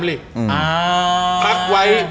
พักไว้